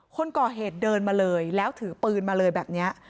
คนก่อเหตุเดินมาเลยแล้วถือปืนมาเลยแบบนี้